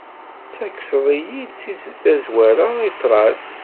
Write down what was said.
Tettagseḍ-iyi s ẓẓwara i ṭṭrad.